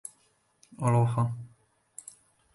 This is a worn crater with a low, outer rim.